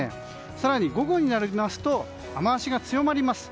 更に午後になると雨脚が強まります。